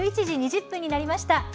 １１時２０分になりました。